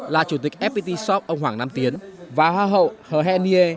là chủ tịch fpt shop ông hoàng nam tiến và hoa hậu h h nie